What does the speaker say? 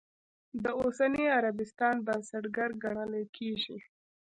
د اوسني عربستان بنسټګر ګڼلی کېږي.